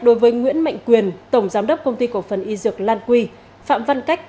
đối với nguyễn mạnh quyền tổng giám đốc công ty cổ phần y dược lan quy phạm văn cách